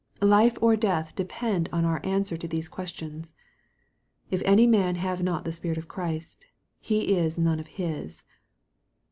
Life or death depend on our answer to these questions. " If any man have not the Spirit of Christ he is none of his."